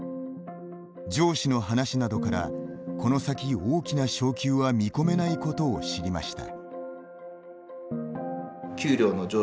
上司の話などからこの先、大きな昇給は見込めないことを知りました。